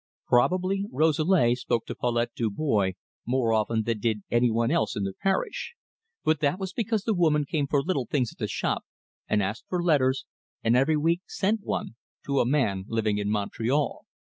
Probably Rosalie spoke to Paulette Dubois more often than did any one else in the parish, but that was because the woman came for little things at the shop, and asked for letters, and every week sent one to a man living in Montreal.